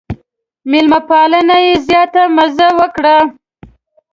مېلمه پالنې یې زیاته مزه وکړه.